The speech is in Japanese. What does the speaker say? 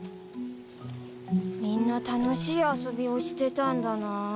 みんな楽しい遊びをしてたんだな。